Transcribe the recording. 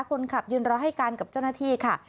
คนขับยืนรอให้การกับเจ้าหน้าที่ค่ะ